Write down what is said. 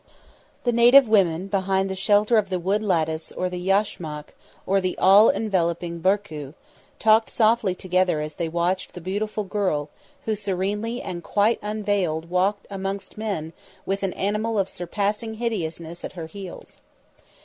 The native women behind the shelter of the wood lattice or the yashmak or the all enveloping barku, talked softly together as they watched the beautiful girl who serenely and quite unveiled walked amongst men with an animal of surpassing hideousness at her heels.